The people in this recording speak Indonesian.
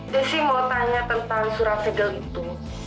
desi mau tanya tentang surat segel itu